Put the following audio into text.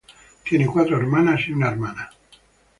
Tiene cuatro hermanos y una hermana.